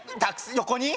横に？